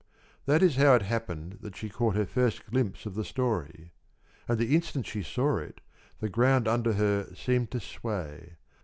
This is how it happened that she caught her first glimpse of the story. And the instant she saw it, the ground under her seemed to sway.